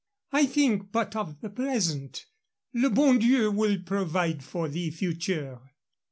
I think but of the present. Le bon Dieu will provide for the future."